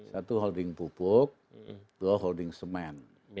satu holding pupuk dua holding semen